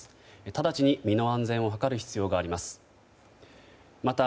直ちに身の安全を図る必要があります。